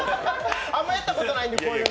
あんまやったことないんでこういうの。